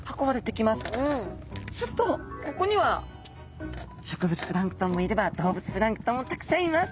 するとここには植物プランクトンもいれば動物プランクトンもたくさんいます。